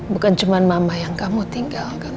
bukan cuma mama yang kamu tinggalkan